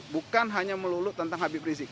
bukan hanya melulu tentang habib rizik